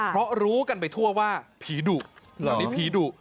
เพราะรู้กันไปทั่วว่าผีดุเหล่านี้ผีดุ